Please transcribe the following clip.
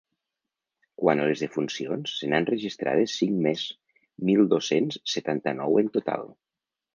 Quant a les defuncions, se n’han registrades cinc més, mil dos-cents setanta-nou en total.